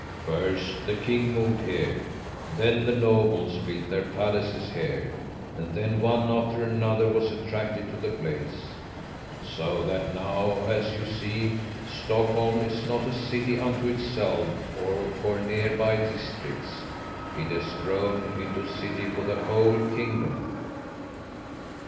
First the King moved here, then the nobles built their palaces here, and then one after another was attracted to the place, so that now, as you see, Stockholm is not a city unto itself or for nearby districts; it has grown into a city for the whole kingdom.